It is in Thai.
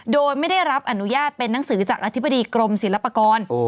โดยไม่ได้รับอนุญาตเป็นนังสือจากอธิบดีกรมศิลปากร